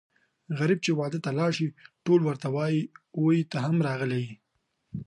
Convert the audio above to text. غريب چې واده ته لاړ شي ټول ورته وايي اووی ته هم راغلی یې.